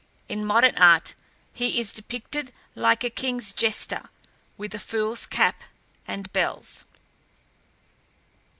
In modern art he is depicted like a king's jester, with a fool's cap and bells.